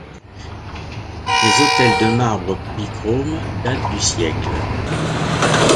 Les autels de marbres polychromes datent du siècle.